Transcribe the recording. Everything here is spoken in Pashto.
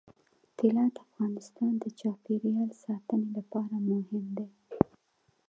طلا د افغانستان د چاپیریال ساتنې لپاره مهم دي.